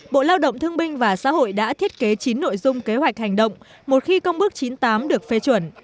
bộ lao động thương binh và xã hội đã thiết kế chín nội dung kế hoạch hành động một khi công ước chín mươi tám được phê chuẩn